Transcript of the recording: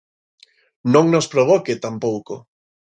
Non nos provoque tampouco.